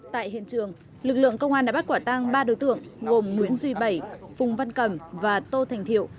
tại hiện trường lực lượng công an đã bắt quả tang ba đối tượng gồm nguyễn duy bảy phùng văn cẩm và tô thành thiệu